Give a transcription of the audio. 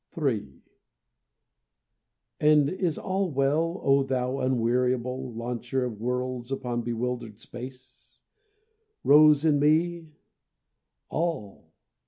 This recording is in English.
III "And is all well, O Thou Unweariable Launcher of worlds upon bewildered space," Rose in me, "All?